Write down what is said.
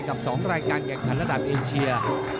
กับ๒รายการแข่งขันระดับเอเชีย